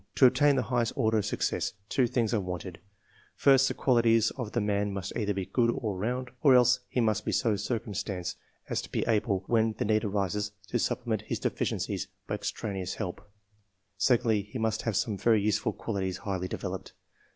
To obtain the highest order of success, two things are wanted ; first, the qualities of the man must either be good all round, or else he must be so circumstanced as to be able, when the need arises, to supplement his deficiencies by ex traneous help; secondly, he must have some very useful qualities highly developed.